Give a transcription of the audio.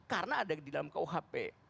karena ada di dalam kuhp